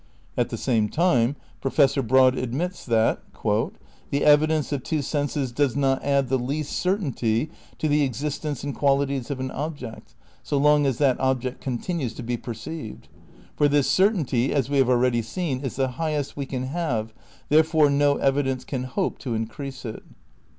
At the same time Professor Broad admits that "the evidence of two senses does not add the least certainty to the existence and qualities of an object so long as that object continues to be perceived; for this certaiaty, as v?e have already seen, is the highest we can have, therefore no evidence can hope to increase it."